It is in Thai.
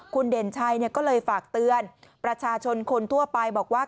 คุณเด่นชัยก็เลยฝากเตือนประชาชนคนทั่วไปบอกว่า